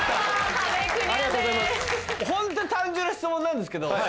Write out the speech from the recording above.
ホントに単純な質問なんですけど。